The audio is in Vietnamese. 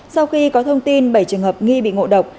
sau khi có thông tin bảy trường hợp nghi bị ngộ độc